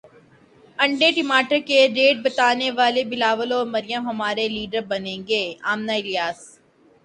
انڈے ٹماٹر کے ریٹ بتانے والے بلاول اور مریم ہمارے لیڈر بنیں گے امنہ الیاس